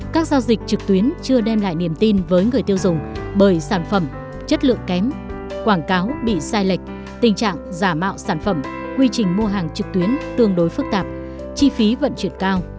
các giao dịch trực tuyến chưa đem lại niềm tin với người tiêu dùng bởi sản phẩm chất lượng kém quảng cáo bị sai lệch tình trạng giả mạo sản phẩm quy trình mua hàng trực tuyến tương đối phức tạp chi phí vận chuyển cao